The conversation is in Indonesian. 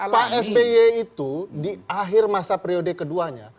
pak sby itu di akhir masa periode keduanya